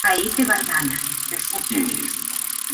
Ahora vive en un pueblo joven de Lima llamado Chicago Chico.